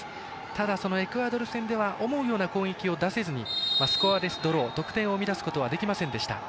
ただ、そのエクアドル戦では思うような攻撃を出せずスコアレスドローで得点生み出すことはできませんでした。